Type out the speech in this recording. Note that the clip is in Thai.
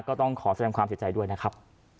ก็ต้องขอแสดงความเสียใจด้วยนะครับ